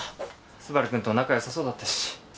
昴くんとは仲良さそうだったし。